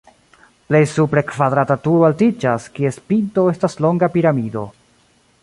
Plej supre kvadrata turo altiĝas, kies pinto estas longa piramido.